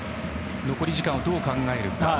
残り時間をどう考えるか。